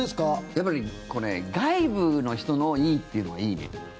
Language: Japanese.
やっぱり、外部の人のいいっていうのはいいね。